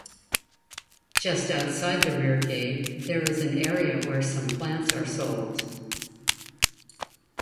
Just outside the rear gate there is an area where some plants are sold.